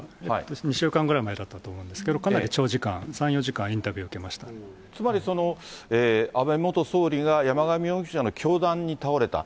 確か２週間ぐらい前だったと思うんですけど、かなり長時間、３、つまりその、安倍元総理が山上容疑者の凶弾に倒れた。